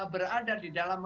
berada di dalam